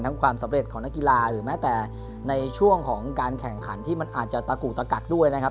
ความสำเร็จของนักกีฬาหรือแม้แต่ในช่วงของการแข่งขันที่มันอาจจะตะกุตะกักด้วยนะครับ